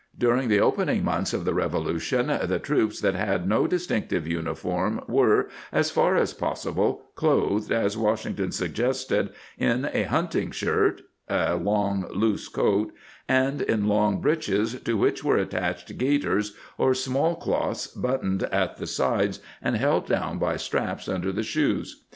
During the opening months of the Revolu tion the troops that had no distinctive uniform were, as far as possible, clothed as Washington suggested, in a hunting shirt (a long loose coat), and in long breeches to which were attached gaiters or small clothes buttoned at the sides and held down by straps under the shoes.